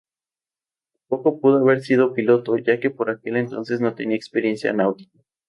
Tampoco pudo haber sido piloto, ya que por aquel entonces no tenía experiencia náutica.